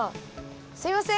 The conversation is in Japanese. すいません！